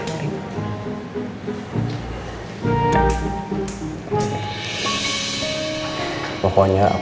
gak ada berantem berantem lagi kakak